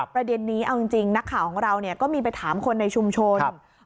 ประเด็นนี้เอาจริงนักข่าวของเราก็มีไปถามคนในชุมชน